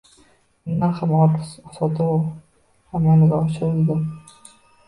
Undan ham ortiq sotuv amalga oshirildi